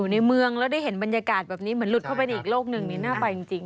ในเมืองแล้วได้เห็นบรรยากาศแบบนี้เหมือนหลุดเข้าไปในอีกโลกหนึ่งนี่น่าไปจริง